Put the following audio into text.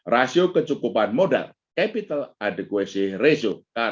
rasio kecukupan modal capital adequacy ratio